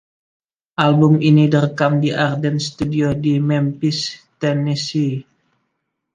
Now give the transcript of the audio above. Album ini direkam di Ardent Studios di Memphis, Tennessee.